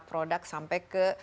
produk sampai ke